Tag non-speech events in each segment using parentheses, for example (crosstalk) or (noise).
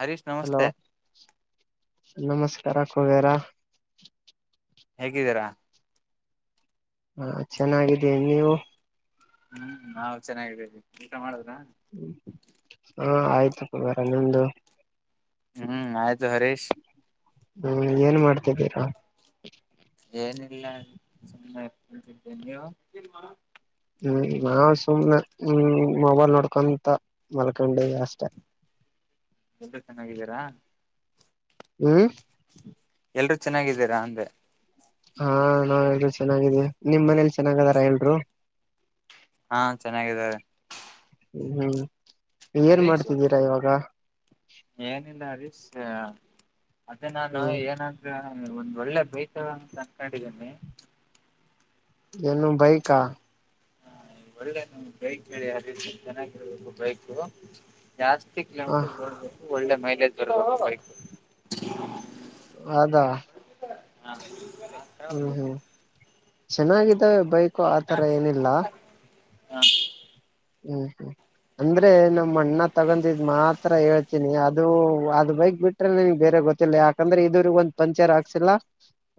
Harish hello ನಮಸ್ತೆ ನಮಸ್ಕಾರ ಕುಬೇರ ಹೇಗಿದ್ದೀರಾ ಚೆನ್ನಾಗಿದ್ದೀನಿ ನೀವು ನಾವು ಚೆನ್ನಾಗಿದ್ದೇವೆ--ಮಾಡಿದ್ರಾ ಆಯ್ತಪ್ಪ ನಿಂದು ಆಯ್ತು ಹರೀಶ್ ಹ್ಮ್ ಏನ್ ಮಾಡ್ತಾ ಇದ್ದೀರಾ ಏನಿಲ್ಲ ಅಣ್ಣ ಸುಮ್ನೆ ಕುಂತಿದೀವಿ ನೀವು ನಾವು ಸುಮ್ನೆ ಹ್ಮ್ ಮೊಬೈಲ್ ನೋಡ್ಕೊಂತ ಮಲ್ಕೊಂಡಿದ್ದೀನಿ ಅಷ್ಟೇ ಎಲ್ಲರೂ ಚೆನ್ನಾಗಿದ್ದೀರಾ ಹ್ ಎಲ್ಲರೂ ಚೆನ್ನಾಗಿದ್ದೀರಅಂದೇ ಹ್ಮ್ ನಾವ್ ಎಲ್ಲರೂ ಚೆನ್ನಾಗಿದ್ದೀವಿ ನಿಮ್ಮನೆಯಲ್ಲಿ ಚೆನ್ನಾಗಿದ್ದಾರ ಎಲ್ಲರೂ ಹ್ಮ್ ಚೆನ್ನಾಗಿದ್ದಾರೆ ಹ್ಮ್ ಏನ್ ಹರೀಶ್ ಮಾಡ್ತಿದ್ದೀರಾ ಇವಾಗ ಏನಿಲ್ಲ ಹರೀಶ್ ಅದೇ ನಾನು ಹ್ಮ್ ಏನಂತ ಒಂದು ಒಳ್ಳೆ ಬೈಕ್ಆದಅನ್ಕೊಂಡಿದಿನಿ ಏನೋ ಬೈಕ್ ಒಂದು ಒಳ್ಳೆ ಬೈಕ್ ಕೇಳಿ ಯಾರ್ಬಲಿನು ಚೆನ್ನಾಗಿದ್ದೇನೆ ಬೈಕ್ಗಳು ಜಾಸ್ತಿ ಹ ಕಿಲೋಮೀಟರ್ ಕೊಡಬೇಕು ಒಳ್ಳೆ ಮೈಲೇಜ್ ರಾಯಲ್ ಫೈಟ್ ಹೌದಾ ಹ್ಮ್ ಹೂ ಹೂ ಚೆನ್ನಾಗಿದೆಯಾಅಲ್ಲ ಬೈಕು ಆತರ ಏನೂ ಇಲ್ಲ ಹ್ಮ್ ಹು ಹುಂ ಅಂದ್ರೆ ನಮ್ಮಣ್ಣ ತಗೊಂಡಿದ್ ಮಾತ್ರ ಹೇಳ್ತೀನಿ ಅದು ಅದು ಬೈಕ್ ಬಿಟ್ರೆ ಬೇರೆ ಯಾವುದೂ ಗೊತ್ತಿಲ್ಲ ಯಾಕಂದ್ರೆ ಇದುವರೆಗೂ ಪಂಚರ್ ಹಾಕ್ಸಿಲ್ಲ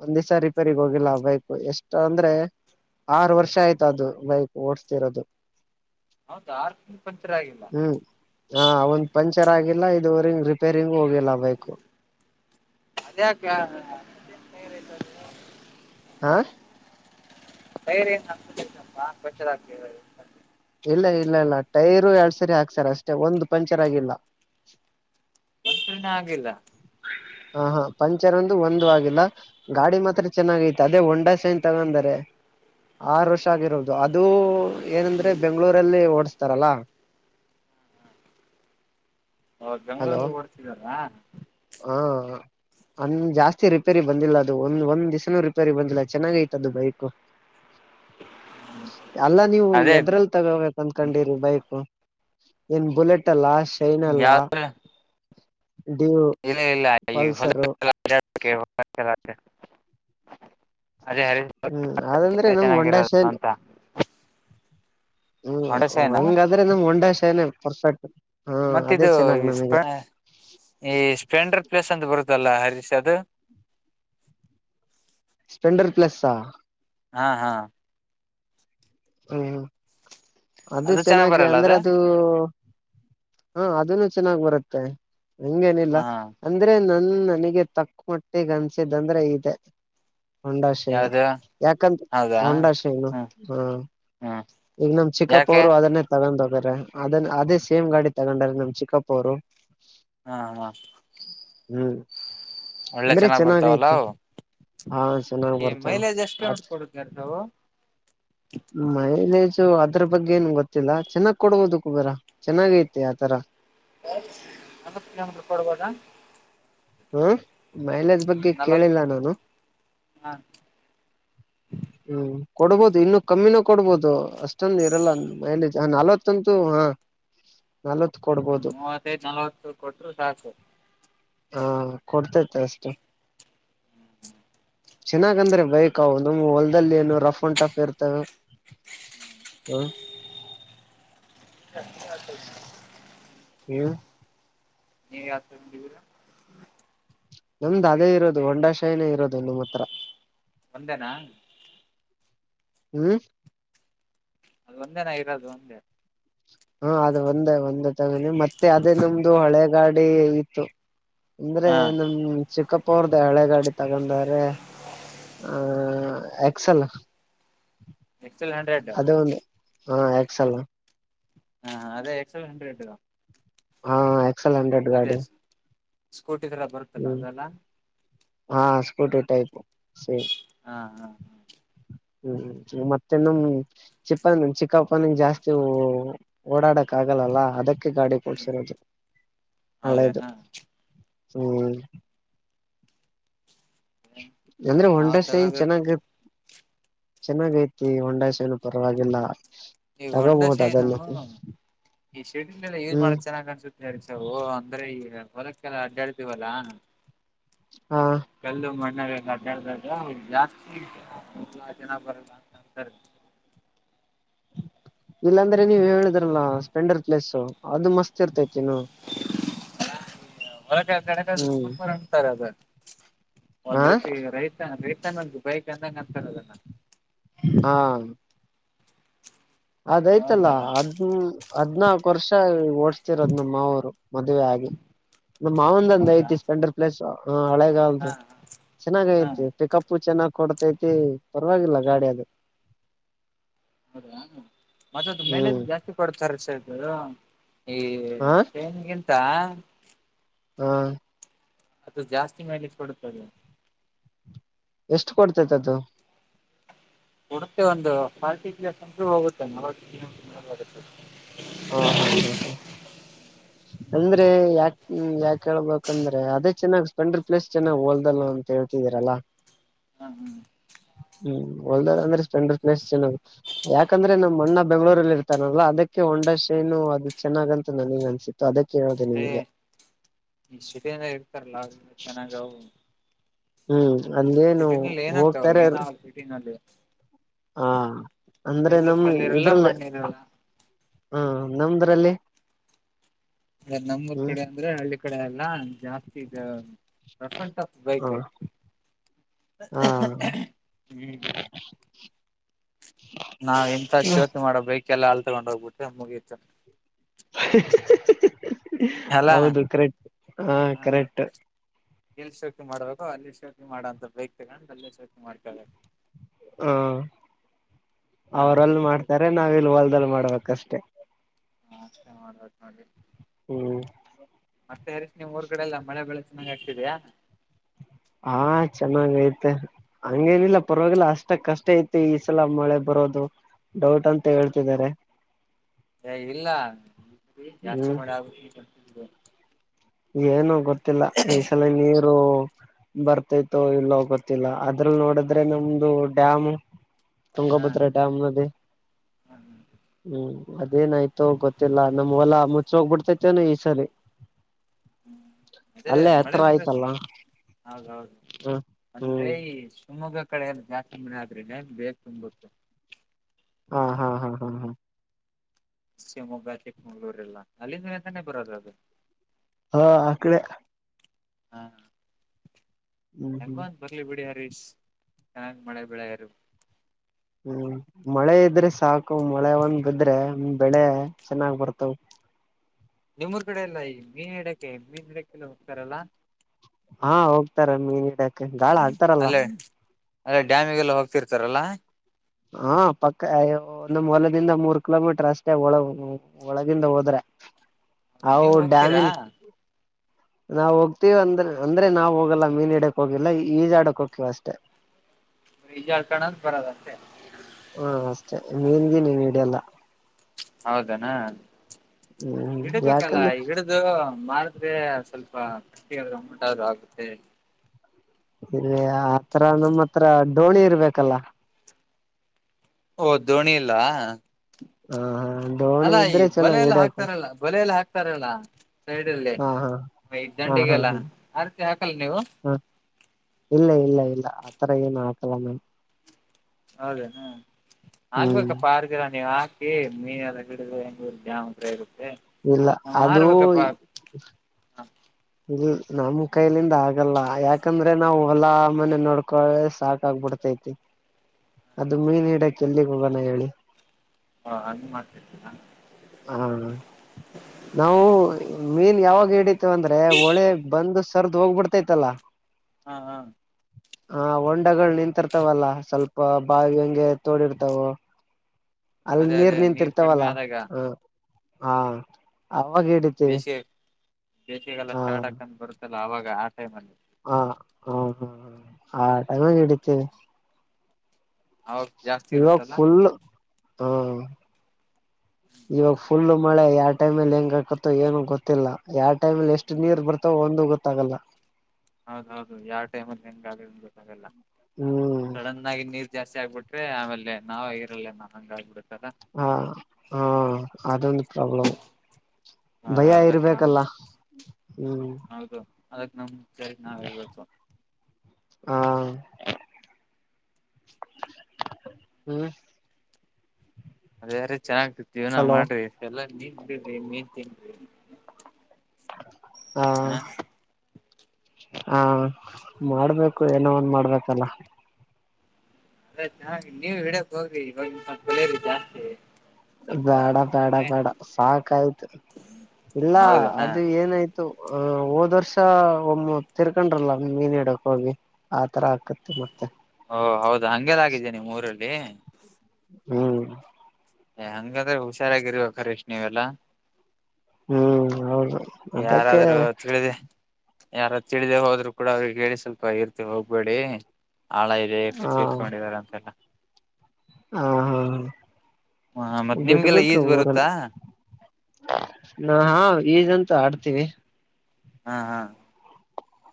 ಒಂದು ಸಾರಿ ರಿಪೇರಿ ಹೋಗಿಲ್ಲ ಆ ಬೈಕ್ ಇಷ್ಟು ಅಂದ್ರೆ ಆರು ವರ್ಷ ಆಯ್ತು ಓಡಿಸ್ತಿರೋದು ಆರು ತಿಂಗಳ ಪಂಚರ್ ಆಗಿಲ್ವಾ ಹ್ಮ್ ಒಂದು ಪಂಚರ್ ಆಗಿಲ್ಲ ಇದುವರೆಗೂ ರಿಪೀರ್ಗೂ ಹೋಗಿಲ್ಲ ಅದು ಯಾಕೆ ಹಾ ಟೈರ್ ಏನು ಹೊಸದಾಕ್ಸಿಲ್ವಾ ಇಲ್ಲ ಇಲ್ಲ ಟೈರ್ ಎರಡು ಸಲಿ ಹಾಕಿಸಿದ್ದಾರೆ ಒಂದು ಸಾರಿ ಪಂಚರ್ ಆಗಿಲ್ಲ ಏನು ಆಗಿಲ್ಲ ಹ್ಮ್ ಹ ಪಂಚರ್ಅಂತೂ ಒಂದು ಆಗಿಲ್ಲ ಗಾಡಿ ಮಾತ್ರ ಚೆನ್ನಾಗೈತೆ ಅದೇ ಹೋಂಡಾ ಶೈನ್ ತಗೊಂಡಿದ್ದಾರೆ ಆರು ವರ್ಷ ಆಗಿರೋದು ಅದು ಏನಂದ್ರೆ ಬೆಂಗಳೂರಲ್ಲಿ ಓಡಿಸ್ತಾರಲ್ಲ ಬೆಂಗಳೂರಲ್ಲಿ ಓಡಿಸ್ತಇದರ ಹ್ಮ್ ಜಾಸ್ತಿ ರಿಪೇರಿಗೆ ಬಂದಿಲ್ಲ ಅದು ಒಂದು ಒಂದು ದಿವಸನೂ ರಿಪೇರಿಗೆ ಬಂದಿಲ್ಲ ಚೆನ್ನಾಗಿದೆ ಬೈಕು ಅಲ್ಲ ನೀವು ಅದೇ ಎದ್ರಲ್ಲಿ ತಗೊಳ್ಳಬೇಕು ಅನ್ಕೊಂಡಿರೋದು ಬೈಕು ಒಂದು ಬುಲೆಟ್ ಅಲ್ಲಿ ಲಾಸ್ಟ ಫೈನಲ್ ಆ ಯಾವ್ದ ದೇವು ಇಲ್ಲ ಇಲ್ಲ ಹೊಲಕ್ಕೆ ಅದೇ ಹ್ಮ್ ಅದಂದ್ರೆ ನಮ್ ಹೊಂಡಾ ಚೆನ್ನಾಗಿರಲ್ಲ ಶೈನ್ ಅಂತ ಹೊಂಡಾ ಹ್ಮ್ ಶೈನ್ ಹಂಗಾದ್ರೆ ನಮ್ ಹೊಂಡಾಷೆನೆೇ ಪರ್ಫೆಕ್ಟ್ ಹಾ ಅದೇ ಮತ್ತಿದು ಚೆನ್ನಾಗ್ ಈ ಸ್ಪ ನಮಗೆ ಏ ಸ್ಪ್ಲೆಂಡರ್ ಪ್ಲೇಸ್ ಅಂತ ಬರುತ್ತಲ್ಲ ಹರಿ ಷದ ಸ್ಪ್ಲೆಂಡರ್ ಪ್ಲಸ್ ಹಾ ಹಾ ಹ್ಮ ಅದು ಚೆನ್ನಾಗಿ ಅಂದರೆ ಅದು ಹ್ಮ ಅದನ್ನು ಚೆನ್ನಾಗಿ ಬರುತ್ತೆ ನಂಗೇನಿಲ್ಲ ಹಾ ಅಂದ್ರೆ ನನ್ ನನಗೆ ತಕ್ಕ ಮಟ್ಟಿಗೆ ಅನ್ಸಿದ್ದಂದ್ರೆ ಇದೆ ಹೊಂಡಾಷೆ ಏನು ಯಾವ್ದು ಯಾಕಂತ ಹೌದಾ ಹೊಂಡಾಷೆ ಏನು ಹ್ಮ್ ಹಾ ಹ್ಮ್ ಈಗ ನ (inaudible) ಯಾಕೆ ಚಿಕ್ಕಪ್ಪೋರು ಅದನ್ನೇ ತಗ ೊಂದ ಹೋಗ್ರ ಅದನ್ ಅದೇ ಸೇಮ್ ಗಾಡಿ ತಗೊಂಡ್ರ ನಮ್ ಚಿಕ್ಕಪ್ಪರು ಹಾ ಹ ಹ್ಮ್ ಅಂದ್ರೆ ಚೆನ್ನಾಗೈತೆ ಹಾ ಚೆನ್ನಾಗ್ ಈ ಬರ್ತಾವ ಮೈಲೇಜ್ ಎಷ್ಟು ಕಿಲೋಮೀಟರ್ ಕೊಡುತ್ತೆ ಅದು ಮೈಲೇಜ್ ದು ಅದರ ಬಗ್ಗೆ ಏನ್ ಗೊತ್ತಿಲ್ಲ ಚೆನ್ನಾಗ್ ಕೊಡಬೋದಕ್ಕಬರ ಚನ್ನಾಗೈತಿ ಆತರ ಎಂಬತ್ತು ಕಿಲೋಮೀಟರ್ ಕೊಡ್ಬೋಡಾ ಹ್ಮ ಮೈಲೇಜ್ ಬಗ್ಗೆ ಕೇಳಿಲ್ಲ ನಾನು ಹ ಹ್ಮ್ ಕೊಡ್ಬೋದು ಇನ್ನು ಕಮ್ಮಿನೂ ಕೊಡ್ಬೋದು ಅಷ್ಟೊಂದು ಇರಲ್ಲ ಮನಜ ಹಾ ನಲ್ವತ್ತಂತೂ ಹಾ ನಲ್ವತ್ ಕೊಡ್ಬೋದು ಮೂವತ್ತೈದ್ ನಲ್ವತ್ತು ಕೊಟ್ರು ಸಾಕು ಹಾ ಕೊಡ್ತೈತಿ ಅಷ್ಟೇ ಚೆನ್ನಾಗ ಅಂದ್ರೆ ಬೈಕ್ ಹೊಲ್ದಲ್ಲಿ ಏನು ರಫ್ ಅಂಡ್ ಟಫ್ ಇರ್ತವೆ ಹ್ಮ (inaudible) ಹ್ಮ ನೀವ ಯಾವತೀರ ನಮ್ದು ಅದೇ ಇರೋದು ಹೊಂಡ ಚೈನೆ ಇರೋದು ನಿಮ್ಮ ಹತ್ರ ಒಂದೇನಾ ಹ್ಮ್ ಅದ ಒಂದೇನ ಇರೋದು ಅಂದೇ ಹೂಂ ಅದು ಒಂದೇ ಒಂದೆ ತಗೊಂಡೆ ಮತ್ತೆ ಅದೇ ನಂಬ್ದು ಹಳೆ ಗಾಡಿ ಇತ್ತು ಅಂದ್ರೆ ನಮ್ಮ ಚಿಕ್ಕಪ್ ಹಳೆ ಗಾಡಿ ತಗೊಂಡಿದ್ದಾರೆ ಎಕ್ಸೆಲ್ ಎಕ್ಸೆಲ್ ಹಂಡ್ರೆಡ್ ಹಾ ಎಕ್ಸೆಲ್ ಅದೇ ಎಲ್ ಹಂಡ್ರೆಡ್ ಹ ಎಕ್ಸಲ್ ಹಂಡ್ರೆಡ್ ಗಾಡಿ ಅದೇ ಹ್ಮ್ ಅಲ್ಲ ಹಾ ಸ್ಕೂಟಿ ಟೈಪ್ ಸೇಮ್ (unintelligible) ನಮ್ ಚಿಕ್ಕಪ್ಪನಿಗೆ ಜಾಸ್ತಿ ಓಡಾಳ್ಳು ಆಗೋದಿಲ್ಲ ಅದಕ್ಕೆ ಗಾಡಿ ಕೊಡುತ್ತಿರುವುದು ಹಳೆದು ಹೌದೇನಾ (unintelligible) ನಾವ್ ಹೋಂಡಾ ಶೈನ್ ತಗೋಬೇಕು ಚೆನ್ನಾಗಿರುತ್ತೆ ಚೆನ್ನಾಗೈತಿ ಹೋಂಡಾ ಶೈನ್ ಪರವಾಗಿಲ್ಲ ಹೀಗೂ ಹೋಂಡಾ ತಗೋಬಹುದು ಅದನ್ನ ಶೈನ್--ಅಂದ್ರೆ ಹ್ಮ್ ಹೊಲಕ್ಕೆಲ್ಲ ಅಡ್ಡ ಆಡ್ತಿವಲ್ಲ ಹಾ ಕಲ್ಲು ಮಣ್ಣು ಜಾಸ್ತಿ (inaudible) ಇಲ್ಲಾಂದ್ರೆ ನೀವು ಹೇಳಿದ್ರಲ್ಲ ಸ್ಪ್ಲೆಂಡರ್ ಪ್ಲಸ್ ಅದು ಮಸ್ತ್ ಇರ್ತಾಯಿತಿ ಹ್ಮ್ (unintelligible) ಹ ಒಂದು ರೀತಿ (unintelligible) ಆ ಅವಾಗ ಅದಯ್ತಲ್ಲ ಹದಿನಾಲ್ಕು ವರ್ಷ ಓಡುಸ್ತಾ ಇರೋದು ನಮ್ಮವರು ಮದುವೆಯಾಗಿ ನಮ್ಮವಂದು ಒಂದು ಹೌದಾ ಐತಿ ಸ್ಪ್ಲೆಂಡರ್ ಪ್ಲಸ್ ಹಾ ಮಳೆಗಾಲದು ಹಾ ಚನ್ನಾಗಿದೆ ಹಾ ಪಿಕಪ್ ಉ ಚೆನ್ನಾಗಿ ಕೊಡುತ್ತೆ (inaudible) ಪರ್ವಾಗಿಲ್ಲ ಗಾಡಿಯದು ಹೌದೇನು (inaudible) ಹ್ಮ್ ಹ (unintelligible) (unintelligible) (unintelligible) ಹ್ಮ ಅದು ಜಾಸ್ತಿ ಮೈಲೇಜ್ ಕೊಡುತ್ತದೆ. ಎಷ್ಟು ಕೊಡತೈತದು ಕೊಡುತ್ತೆ ಒಂದು ಫಾರ್ಟಿ ಪ್ಲಸ್ ಅಂದೂ ಹೋಗುತ್ತೆ ಹಾ ಹಾ ಹಾ ಹಾ ಅಂದ್ರೆ ಯಾಕ್ ಯಾಕ ಹೇಳ್ಬೇಕಂದ್ರೆ ಅದೇ ಚೆನ್ನಾಗ್ ಸ್ಪೆಂಡ್ರರ್ ಪ್ಲೇಸ್ ಚೆನ್ನಾಗ್ ಹೋಲ್ದಲ್ಲ ಅಂತ ಹೇಳ್ತಿದೀರಲ್ಲ ಹಾ ಹಾ ಹ್ಮ್ ಹೊಲದಲ್ಲಿ ಅಂದ್ರೆ ಸ್ಪೆಂಡರ್ ಪ್ಲೇಸ್ ಚೆನ್ ಯಾಕಂದ್ರೆ ನಮ್ ಅಣ್ಣ ಬೆಂಗಳೂರಲ್ಲಿ ಇರ್ತಾರಲ್ಲ ಅದಕ್ಕೆ ಹೋಂಡಾ ಶೈನು ಅದು ಚೆನ್ನಾಗಂತ ನನಗೆ ಅನ್ಸಿತ್ತು ಅದಕ್ಕೆ ಹೇಳ್ದೆ ಅದೇ ನಿಮಗೆ ಈ ಸಿಟಿಯಲ್ಲಿ ಇರ್ತಾರಲ್ಲಅವರಿಗೆ ಚೆನ್ನಾಗವು ಹ್ಮ್ ಅಲ್ಲೇನು ಸಿಟಿನಲ್ಲಿ ಏನಾಗ್ತಾವಾಗ ಹೋಗ್ತಾರೆ ಏನಾಗಲ್ಲ ಸಿಟಿನಲ್ಲಿ ಹಾ ಅಂದ್ರೆ ಎಲ್ಲ ನಮ ಕಲ್ಲಿರಲ್ಲ ಇದ್ರಲ್ಲಿ ಮಣ್ಣಿರಲ್ಲ ಹಾ ನಮ್ದರಲ್ಲಿ ನಮ್ಮೂರ್ ಕಡೆ ಅಂದ್ರೆ ಹಳ್ಳಿ ಕಡೆ ಎಲ್ಲಾ ಜಾಸ್ತಿ ರಫ್ ಅಂಡ್ ಟಫ್ ಹ ಬೈಕಬೇಕು ಹಾ ಹ್ಮ್ ನಾವ್ ಎಂತ ಶೋಕಿ ಮಾಡೋ ಬೈಕ್ ಕ್ಕೆಲ್ಲಾಲ್ ಅಲ್ ತಗೊಂಡೆಲ್ಲ ಹೋಗ್ಬಿಟ್ರೆ ಮುಗೀತು (unintelligible) ಅಲ್ಲಾ ಹೌದು ಕರೆಟ್ ಹಾ ಕರೆಕ್ಟ್ ಎಲ್ ಶೋಕಿ ಮಾಡ್ಬೇಕು ಅಲ್ಲಿ ಶೋಕಿ ಮಾಡಂತ ಬೈಕ್ ತಗೊಂಡು ಅಲ್ಲೇ ಶೋಕಿ ಮಾಡ್ಕೋಬೇಕು ಹಾ ಹಾ ಅದ ಅವ್ರಲ್ಲಿ ಮಾಡ್ತಾರೆ ನಾವಿಲ್ ಹೊಲ್ದಲ್ಲಿ ಮಾಡ್ಬೇಕಷ್ಟೆ. ಹಾ ಅಷ್ಟೇ ಮಾಡ್ಬೇಕ್ ನೋಡಿ. ಹ್ಮ್ ಮತ್ತೆ ಹರಿಶ್ ನೀಮ್ ಊರ್ ಕಡೆಲ್ಲ ಮಳೆ ಬೆಳೆ ಚೆನ್ನಾಗ್ ಆಗ್ತಿದ್ಯಾ? ಹಾ ಚೆನ್ನಾಗೈತೆ ಹಂಗೇನಿಲ್ಲ ಪರವಾಗಿಲ್ಲ ಅಷ್ಟಕ್ಕಷ್ಟೇ ಐತಿ ಈಸಲ ಮಳೆ ಬರೋದು ಡೌಟ್ ಅಂತ ಹೇಳ್ತಿದ್ದಾರೆ. ಏ ಇಲ್ಲ (unintelligible) ಜಾಸ್ತಿ ಹ್ಮ್ ಮಳೆಯಾಗುತ್ತೆ (unintelligible) ಏನು ಗೊತ್ತಿಲ್ಲ ಈ ಸಲ ನೀರ್ ರು ಬರ್ತೈತೋ ಇಲ್ಲೋ ಗೊತ್ತಿಲ್ಲ ಅದ್ರಲ್ಲಿ ನೋಡಿದ್ರೆ ನಮ್ದು ಡ್ಯಾಮು ಹಾ ತುಂಗಭದ್ರಾ ಡ್ಯಾಮ್ ನದಿ ಹ್ಮ್ ಅದೇನಾಯ್ತೊ ಗೊತ್ತಿಲ್ಲ ನಮ್ ಹೊಲ ಮುಚ್ಚಿ ಹೋಗಿಬಿಡ್ತೈತೇನೋ ಈ ಸಲಿ ಅದೇ ಮಳೆ ಬರೋಚ್ ಆಯ್ತಲ್ಲ ಹೌದು ಹೌದು ಹ ಅಂದ್ರೆ ಹ್ಮ್ ಈ ಶಿಮೊಗ್ಗ ಕಡೆ ಎಲ್ಲಾ ಜಾಸ್ತಿ ಮಳೆಯಾದ್ರೆ ಡ್ಯಾಮ್ ಬೇಗ್ ತುಂಬುತ್ತೆ. ಹಾ ಹಾ ಹಾ ಹ. ಶಿವಮೊಗ್ಗ ಚಿಕ್ಕಮಂಗಳೂರ್ ಇಲ್ಲ ಅಲ್ಲಿಂದ ತಾನೇ ಬರೋದು ಅದು ಹಾ ಆ ಕಡೆ ಹಾ ಹ್ಮ್ ಹೆಂಗೋ ಹ್ಮ್ ಒಂದ ಬರ್ಲಿಬಿಡಿ ಹರೀಶ್ ಚೆನ್ನಾಗಿ ಮಳೆ ಬೆಳೆಯರು ಹ್ಮ್ ಮಳೆ ಇದ್ರೆ ಸಾಕು ಮಳೆ ಒಂದಿದ್ರೆ ಬೆಳೆ ಚೆನ್ನಾಗಿ ಬರುತಾವು ನಿಮ್ಮೂರ್ ಕಡೆಯಲ್ಲ ಈ ಮೀನ ಹಿಡಿಯಕ್ಕೆ ಮೀನ ಹಿಡಿಯಕ್ಕೆಲ್ಲ ಹೋಗ್ತಾರಲ್ಲ ಹಾ ಹೋಗ್ತಾರೆ ಮೀನು ಹಿಡಿಯಕ್ಕೆ ಹಲೋ ಅದೇ ಡ್ಯಾಮಿಗೆಲ್ಲ ಹೋಗ್ತೀರಿ (unintelligible) ಹಾ ಪಕ್ಕ ಅಯ್ಯೋ ನಮ್ ಹೊಲದಿಂದ ಮೂರು ಕಿ. ಮೀ ಅಷ್ಟೇ ಒಳಗಿಂದ ಹೋದರೆ ನೀವು ಹೋಗ್ತೀರಾ ನಾವು ಹೋಗ್ತಿವಿ ಅಂದ್ರೆ ನಾ ಹೋಗಲ್ಲ ಮೀನು ಹಿಡಿಯಕ್ಕೆ ಹೋಗಿಲ್ಲ ಈಜಾಡಕ್ಕೆ ಹೋಗುತ್ತಿವೆ ಅಷ್ಟೇ ಈಜಾಡಿಕೊಂಡು ಬರೋದಷ್ಟೇ ಹಾ ಅಷ್ಟೇ ಮೀನುಗೀನ ಏನು ಹಿಡಿಯಲ್ಲ ಹೌದೇನು ಹ್ಮ್ ಹಿಡಿಬೇಕಲ್ಲ ಯಾಕಂದ್ರ ಹಿಡಿದು ಮಾರಿದರೆ ಸ್ವಲ್ಪ ಆಗುತ್ತೆ ಆ ತರಹ ನಮ್ಮತ್ರ ಡೋಣಿ ಇರಬೇಕಲ್ಲ ಓ ದೋಣಿ ಇಲ್ಲಾ ಹ ಹಾ ದೋಣಿ ಅಲ್ಲ ಈ ಇದ್ರೆ ಚಲೋ ಬಲೆಯಲ್ಲ ಇಡಕ ಹಾಕ್ತಾರಲ್ಲ ಸೈಡಲ್ಲಿ ಹಾ ಹಾ ಈ ಹಾ ಹಾ ದಂಡಿಗಲ್ಲ ಹಾ ಅದಕ್ಕೆ ಹಾಕಲ್ಲ ನೀವು ಹಾ ಇಲ್ಲ ಇಲ್ಲ ಇಲ್ಲ ಆತರ ಏನು ಹಾಕಲ್ಲ ನಾವು ಹೌದೇನು ಹ್ಮ್ ಹಾಕ್ಬೇಕಪ್ಪ ಆರ್ಗೆರಾ ನೀವು (unintelligible) ಇಲ್ಲ ನಾವ್ ಅದೂ ಮಾರ್ಬೇಕಪ್ಪಾ ನಮ್ ಕೈಲಿಂದ ಆಗಲ್ಲ ಯಾಕಂದ್ರೆ ನಾವು ಹೊಲ ಮನೆ ನೋಡಿಕೊಳ್ಳುವುದೇ ಸಾಕಾಗ್ಬಿಡ್ತೈತಿ ಅದು ಮೀನ್ ಹಿಡಿಯೋಕೆ ಎಲ್ಲಿಗೆ ಹೋಗೋಣ ಹೇಳಿ ಹಾ ಹಂಗ ಮಾಡುತ್ತಿದ್ದೀರಾ ಅ ಹಾ ನಾವು ಮೀನ್ ಯಾವಾಗ (unintelligible) ಅಂದ್ರೆ ಹೊಳೆ ಬಂದು ಹರದು ಹೋಗ್ ಬಿಡ್ತೈತಲ್ಲ ಹಾ ಹಾ ಹಾ ವಂಡಗಳು ನಿಂತಿರುತ್ತವಲ್ಲ ಸ್ವಲ್ಪ ಬಾವಿ ಹಂಗೆ ತೋಡಿರ್ತಾವು ಅದೇ ಅದೇ ನೀರು ಕಡಿಮೆ ಆದಾಗ ಹ ಹಾ ಅವಾಗ ಹಿಡಿತೀವಿ ಬೇಸಿಗೆಕಾಲ ಸ್ಟಾರ್ಟ್ (unintelligible) ಅದಾವಾಗ ಆ ಟೈಮಲ್ಲಿ (unintelligible) ಆ ಆಹಾ-ಹ ಆ (unintelligible) ಅವ್ರ್ದ ಜಾಸ್ತಿ ಇರತ್ತಲ್ಲಾ ಹ-ಅ ಇವಾಗ್ ಫುಲ್ ಮಳೆ ಯಾವ್ ಟೈಮಲ್ಲಿ ಹೆಂಗಕ್ಕೈತೋ ಏನೋ ಗೊತ್ತಿಲ್ಲ. ಯಾ ಟೈಮಲಿ ಎಷ್ಟ್ ನೀರ್ ಬರ್ತಾವು ಒಂ ದೂ ಗೊತ್ತಾಗಲ್ಲ ಹೌದೌದು ಯಾವ್ ಟೈಮಲ್ ಹೆಂಗ್ ಆಗತ್ತಂತ ಗೊತ್ತಾಗಲ್ಲ ಹ್ಮ್ ಸಡನ್ನಾಗಿ ನೀರ್ ಜಾಸ್ತಿ ಆಗ್ಬಿಟ್ (unintelligible) ನಾವೇ ಇರಲ್ಲೇನ್ ಅನ್ನಂಗಾಗ್ಬಿಡುತ್ತೆ ಹಾ - ಆ ಅದೊಂದ್ ಪ್ರಾಬ್ಲಂ ಹೌದ ಭಯ ಅದಕ್ ನಾವ್ ಇರ್ಬೇಕಲ್ಲ ಊಂ ಹೌದು ಅದಕ್ ನಮ್ ಸರಿ (unintelligible) ಆ ಹೂಂ (unintelligible) ಜೀವನ ಮಾಡ್ರಿ (unintelligible) ನಿಮ್ಗ ಬೇಕಾಗೈತಿ ನೀವ್ ತಿನ್ರಿ ಹಾ ಹ ಹಾ ಮಾಡ್ಬೇಕು ಏನೋ ಒಂದ್ ಮಾಡ್ಬೇಕಲ್ಲ ಅದೇ ಸಾರ್ ನೀವು ವಿಡಿಯೋ ತಗೋರಿ (inaudible) ಜಾಸ್ತಿ ಸ್ವಲ್ಪ ಬ್ಯಾಡ ಬ್ಯಾಡ ಮನೆ ಬ್ಯಾಡ ಸಾಕಾಯ್ತು ಇಲ್ಲ ಹೌದನಾ ಅದು ಏನಾಯ್ತು ಅ ಹೋದ್ ವರ್ಷ ಒಮ್ ತೀರ್ಕೊಂಡ್ರಲ್ಲ ಮೀನ್ ಹಿಡ್ಯಕ್ ಹೋಗಿ ಆ ಥರ ಅಕ್ಕೈತಿ ಮ ಓ ಹೌದ ಹಂಗೆಲ್ಲಾ ಅಗಿದ್ಯ ನಿಮ್ ಊರಲ್ಲಿ ಹೂಂ ಎ ಹಂಗಾದ್ರೆ ಹುಷಾರಾಗಿ (inaudible) ನೀವೆಲ್ಲಾ ಹೂಂ ಹೌದು ಅದಕ್ಕೆ ಯಾರಾದ್ರೂ ತಿಳಿದೆ ಯಾರಾದ್ರೂ ತಿಳಿದೆ ಹೋದ್ರು ಕೂಡ ಅವರಿಗೆ ಹೇಳಿ ಸ್ವಲ್ಪ ಇರ್ತೀವಿ ಹೋಗ್ಬೇಡಿ ಆಳ ಇದೆ (unintelligible) ಇದಾರಂತೆಲ್ಲಾ ಆಹಾ-ಹ ಹ ಮತ್ ನಿಮ್ಗೆಲ್ಲಾ ಬಿಟ್ಬಿಟ್ರು ಈಜ್ ಬರುತ್ತಾ ಊರಲ್ಲಿ ನಾ-ವ್ ಈಜಂತು ಆಡ್ತೀವಿ ಹಾ-ಹಾ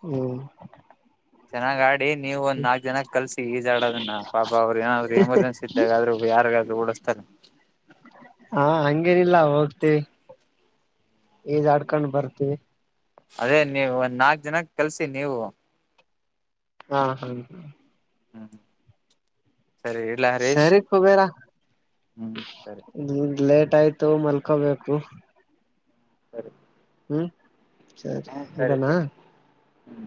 ಹೂಂ ಚೆನ್ನಾಗಾಡ್ ಲೇ ನೀವೊಂದ್ ನಾಲ್ಕ್ ಜನಕ್ ಕಲ್ಸಿ ಈಜಾಡದನ್ನ ಪಾಪ ಅವ್ರು ಏನಾದ್ರು ಎಮರ್ಜೆನ್ಸಿ ಇದ್ದಾಗಾದ್ರು ಯಾರ್ಗಾದ್ರು ಉಳಸ್ತಾರೆ ಏನಿಲ್ಲ ಹೊರಡ್ತೀವಿ ಈಜಾಡ್ಕೊಂಡ್ ಬರ್ತೀವಿ ಅದೇ ನೀವೊಂದ್ ನಾಲ್ಕ್ ಜನಕ್ ಕಲ್ಸಿ ನೀವು ಹಾ ಹಾ ಹ. ಹಮ್. ಸರಿ ಕುಬೇರ. ಹ್ಮ್ ಸರಿ (unintelligible) ಆಯ್ತು ಮಲ್ಕೋಬೇಕು. ಹಮ್ ಸರಿ. ಹಮ್. ಸರಿ ಹ್ಮ ಸರಿ ಇಡೋಣ. ಸರಿ ಹ್ಮ್